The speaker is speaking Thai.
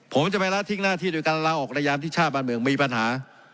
ผมจะไปละทิ้งหน้าที่โดยการลาออกในยามที่ชาติบ้านเมืองมีปัญหา